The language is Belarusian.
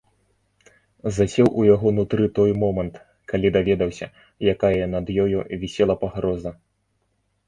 Засеў у яго нутры той момант, калі даведаўся, якая над ёю вісела пагроза.